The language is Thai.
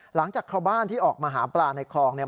หลังจากชาวบ้านที่ออกมาหาปลาในคลองเนี่ย